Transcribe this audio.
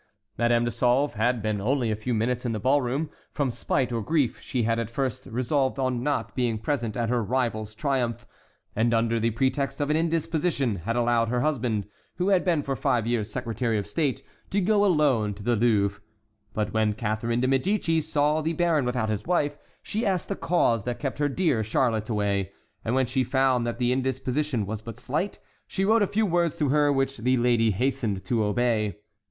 Madame de Sauve had been only a few minutes in the ballroom; from spite or grief she had at first resolved on not being present at her rival's triumph, and under the pretext of an indisposition had allowed her husband, who had been for five years secretary of state, to go alone to the Louvre; but when Catharine de Médicis saw the baron without his wife, she asked the cause that kept her dear Charlotte away, and when she found that the indisposition was but slight, she wrote a few words to her, which the lady hastened to obey.